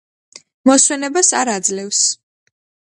მოსვენებას არ აძლევს.